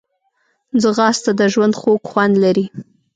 ځغاسته د ژوند خوږ خوند لري